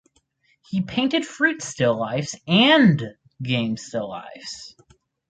He painted fruit still lifes and game still lifes.